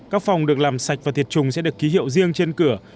các phòng được làm sạch và thiệt trùng sẽ được ký hiệu riêng trên cửa